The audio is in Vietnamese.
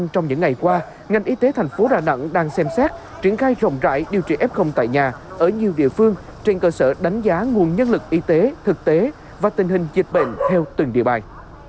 trong những ngày qua ngành y tế thành phố đà nẵng đang xem xét triển khai rộng rãi điều trị f tại nhà ở nhiều địa phương trên cơ sở đánh giá nguồn nhân lực y tế thực tế và tình hình dịch bệnh theo từng địa bàn